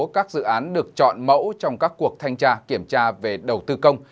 các dự án được chọn mẫu trong các cuộc thanh tra kiểm tra về đầu tư công